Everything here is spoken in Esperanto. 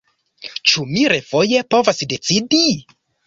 Ĉu mi refoje povas decidi?